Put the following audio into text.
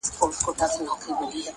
کليوال کله کله د پېښې په اړه چوپ سي,